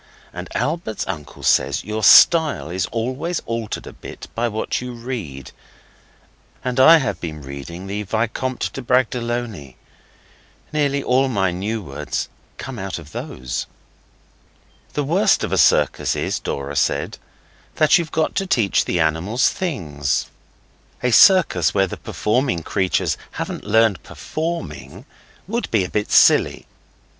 And Albert's uncle says your style is always altered a bit by what you read. And I have been reading the Vicomte de Bragelonne. Nearly all my new words come out of those.) 'The worst of a circus is,' Dora said, 'that you've got to teach the animals things. A circus where the performing creatures hadn't learned performing would be a bit silly.